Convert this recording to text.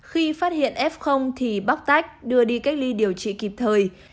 khi phát hiện f thì bóc tách đưa đi cách ly điều trị kịp thời